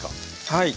はい。